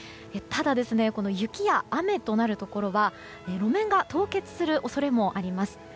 ただ、雪や雨となるところは路面が凍結する恐れもあります。